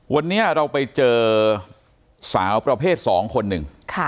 วันนี้เราไปเจอสาวประเภท๒คนหนึ่ง